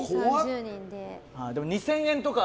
でも、２０００円とか。